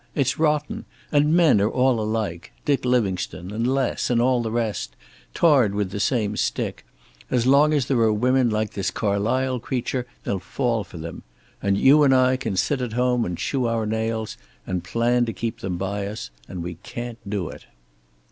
It's rotten. And men are all alike. Dick Livingstone and Les and all the rest tarred with the same stick. As long as there are women like this Carlysle creature they'll fall for them. And you and I can sit at home and chew our nails and plan to keep them by us. And we can't do it."